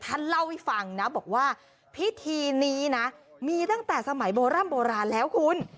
ท่านเล่าให้ฟังนะบอกว่าพิธีนี้นะมีตั้งแต่สมัยโบร่ำโบราณแล้วคุณ